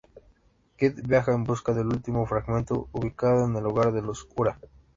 Kid viaja en busca del último Fragmento, ubicado en el hogar de los Ura.